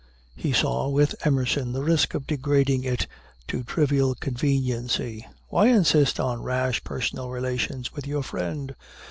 He saw, with Emerson, the risk of degrading it to trivial conveniency. "Why insist on rash personal relations with your friend?"